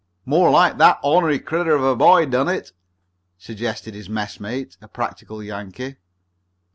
"More like that onery critter of a boy done it," suggested his messmate, a practical Yankee.